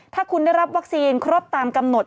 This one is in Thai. ถ้าคุณได้รับวัคซีนครบตามกำหนด